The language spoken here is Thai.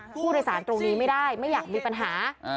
ผู้โดยสารตรงนี้ไม่ได้ไม่อยากมีปัญหา